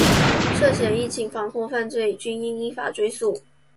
涉嫌疫情防控犯罪均应依法追诉